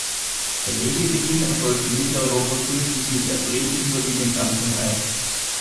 Der Legebeginn erfolgt in Mitteleuropa frühestens Mitte April, überwiegend Anfang Mai.